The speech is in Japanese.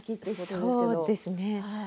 そうですね。